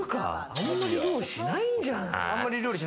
あんまり料理しないんじゃない。